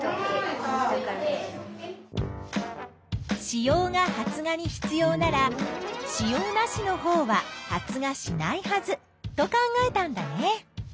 子葉が発芽に必要なら子葉なしのほうは発芽しないはずと考えたんだね。